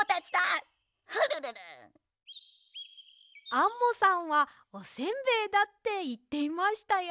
アンモさんはおせんべいだっていっていましたよ。